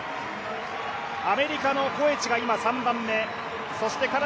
アメリカのコエチが今３番目。